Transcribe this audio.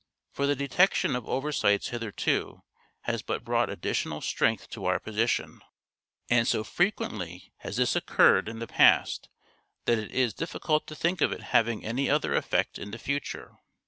For the detection of oversights hitherto has but brought additional strength to our position ; and 496 "SHAKESPEARE" IDENTIFIED so frequently has this occurred in the past that it is difficult to think of it having any other effect in the future.